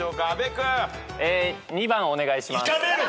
２番お願いします。